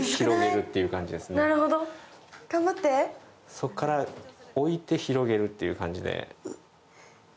そこから置いて広げるという感じで。